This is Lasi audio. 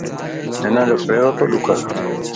ھنجو پيرو تو ڏک